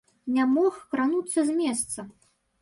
Не мог крануцца з месца.